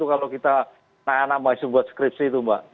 kalau kita anak anak mahasiswa buat skripsi itu mbak